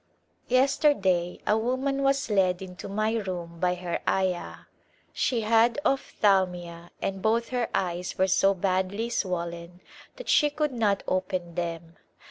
Yesterday a woman was led into my room by her Ayah ; she had ophthalmia and both her eyes were so badly swollen that she could not open them.